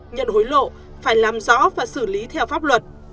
nhận hối lộ phải làm rõ và xử lý theo pháp luật